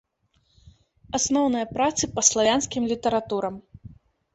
Асноўныя працы па славянскім літаратурам.